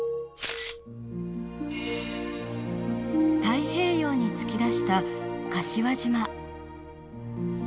太平洋に突き出した柏島。